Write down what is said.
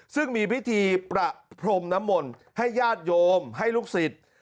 ซึ่งมีพิธีประพรมน้ำมนต์ให้ญาติโยมให้ลูกศิษย์